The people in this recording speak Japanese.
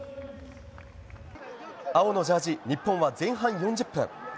青のジャージー、日本は前半４０分。